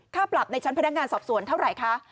ปรับในชั้นพนักงานสอบสวนเท่าไหร่คะ